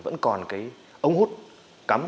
vẫn còn cái ống hút cắm